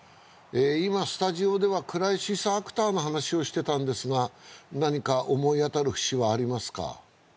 今スタジオではクライシスアクターの話をしてたんですが何か思い当たる節はありますか？